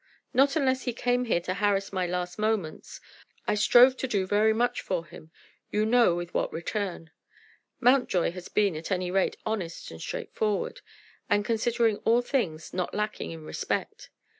"Not unless he came here to harass my last moments. I strove to do very much for him; you know with what return. Mountjoy has been, at any rate, honest and straightforward; and, considering all things, not lacking in respect.